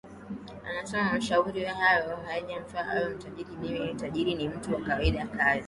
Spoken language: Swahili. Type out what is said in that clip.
anasema mashauri hayo hayajamfanya awe tajiriMimi si tajiri ni mtu wa kawaida Kazi